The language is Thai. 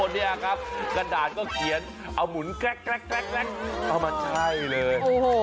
นี่ครับกระดาษก็เขียนเอาหมุนแก๊กเอามันใช่เลย